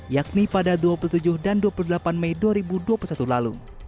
yakni pada dua puluh tujuh dan dua puluh delapan mei dua ribu dua puluh satu lalu